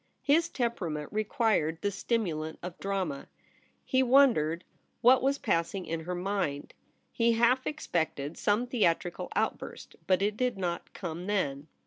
His temperament required the stimulant of drama. He wondered what was passing in her mind. He half expected some theatrical outburst ; but it did not come then.